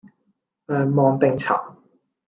香芒冰茶